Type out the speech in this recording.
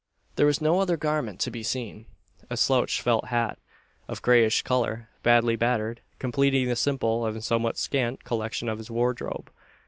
There was no other garment to be seen: a slouch felt hat, of greyish colour, badly battered, completing the simple, and somewhat scant, collection of his wardrobe.